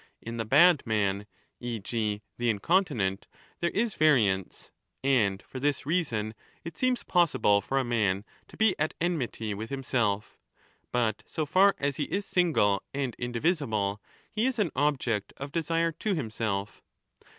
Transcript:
In the bad man,/ e. g. the incontinent, there is variance, and for this reason ( it seems possible for a man to be at enmity with himself;^ 15 but so far as he is single and indivisible, he is an object of desire to himself.